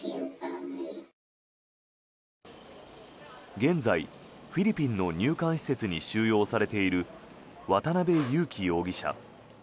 現在、フィリピンの入管施設に収容されている渡邉優樹容疑者。